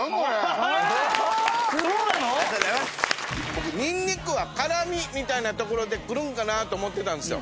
僕ニンニクは辛みみたいなところでくるんかなと思ってたんですよ。